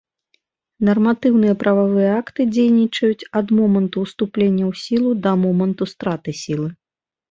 Нарматыўныя прававыя акты дзейнічаюць ад моманту ўступлення ў сілу да моманту страты сілы.